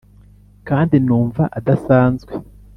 kandi numva adasanzwe,